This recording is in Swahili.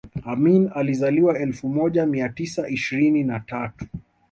Amin alizaliwa elfu moja mia mia tisa ishirini na tatu